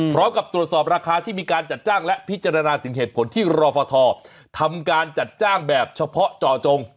พร้อมกับตรวจสอบราคาที่มีการจัดจ้างและพิจารณาถึงเหตุผลที่รอฟททำการจัดจ้างแบบเฉพาะจ่อจง